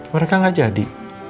mereka nggak jadi